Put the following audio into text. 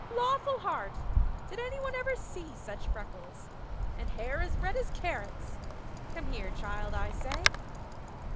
Lawful heart, did any one ever see such freckles? And hair as red as carrots! Come here, child, I say."